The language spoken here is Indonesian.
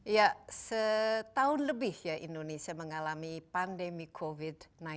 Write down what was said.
ya setahun lebih ya indonesia mengalami pandemi covid sembilan belas